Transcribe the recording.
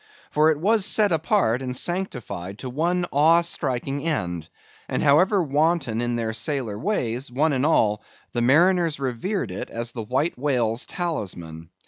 For it was set apart and sanctified to one awe striking end; and however wanton in their sailor ways, one and all, the mariners revered it as the white whale's talisman.